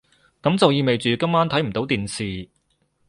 噉就意味住今晚睇唔到電視